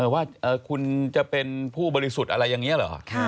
ว่าคุณจะเป็นผู้บริสุทธิ์อะไรอย่างนี้เหรอ